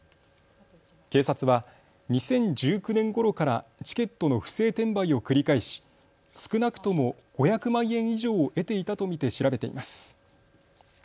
警察は２０１９年ごろからチケットの不正転売を繰り返し少なくとも５００万円以上を得ていたと見て調べています。